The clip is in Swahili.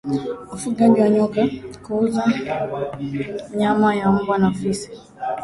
ufugaji wa nyoka kuuza nyama ya mbwa na fisi